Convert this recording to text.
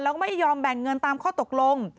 แล้วก็ไม่ยอมแบ่งเงินตามข้อตกลง